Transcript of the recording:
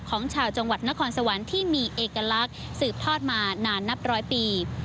ของชาวจังหวัดนครสวรรค์ที่มีเอกลักษณ์สืบทอดมานานนับร้อยปี